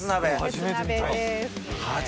初めて見た。